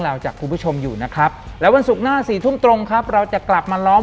หลังจากนั้นเราไม่ได้คุยกันนะคะเดินเข้าบ้านอืม